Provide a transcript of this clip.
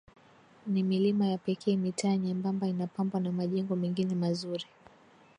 Ni milima ya pekee mitaa myembamba inapambwa na majengo mengine mazuri